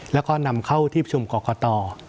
แล้วก็นำเข้าที่ประชุมกรกต